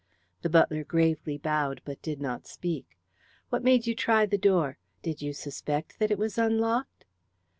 The butler gravely bowed, but did not speak. "What made you try the door? Did you suspect that it was unlocked?"